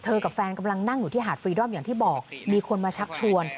กับแฟนกำลังนั่งอยู่ที่หาดฟรีดอมอย่างที่บอกมีคนมาชักชวน